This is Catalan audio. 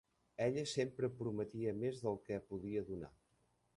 Ella sempre prometia més del que podia donar.